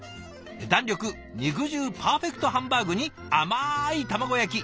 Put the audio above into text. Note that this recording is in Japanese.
弾力肉汁パーフェクトハンバーグに甘い卵焼き。